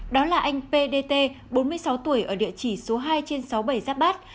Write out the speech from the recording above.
đó là anh p d t bốn mươi sáu tuổi ở địa chỉ số hai trên sáu bể giáp bát